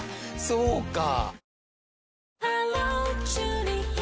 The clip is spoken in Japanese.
そうか。